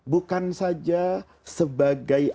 bukan saja sebagai